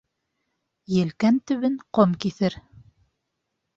Елкән төбөн ҡом киҫер.